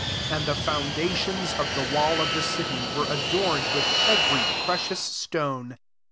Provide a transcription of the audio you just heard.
19 [And] the foundations of the wall of the city vtere adorned with every precious stone.